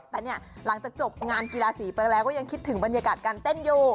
แต่เนี่ยหลังจากจบงานกีฬาสีไปแล้วก็ยังคิดถึงบรรยากาศการเต้นอยู่